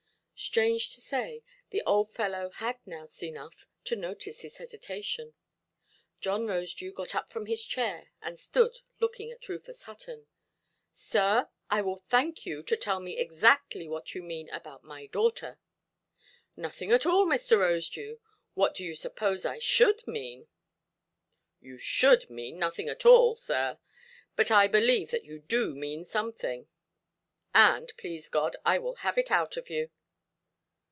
Strange to say, the old fellow had nous enough to notice his hesitation. John Rosedew got up from his chair, and stood looking at Rufus Hutton. "Sir, I will thank you to tell me exactly what you mean about my daughter". "Nothing at all, Mr. Rosedew. What do you suppose I should mean"? "You should mean nothing at all, sir. But I believe that you do mean something. And, please God, I will have it out of you".